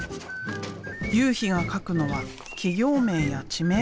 雄飛が書くのは企業名や地名。